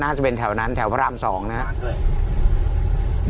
น่าจะเป็นแถวนั้นแถวพระรามสองนะฮะ